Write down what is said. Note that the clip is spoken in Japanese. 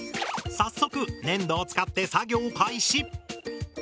早速粘土を使って作業開始。